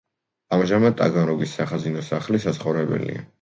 ამჟამად ტაგანროგის სახაზინო სახლი საცხოვრებელია.